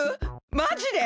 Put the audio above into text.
マジで！？